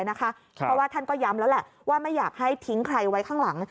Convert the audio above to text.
เพราะว่าท่านก็ย้ำแล้วแหละว่าไม่อยากให้ทิ้งใครไว้ข้างหลัง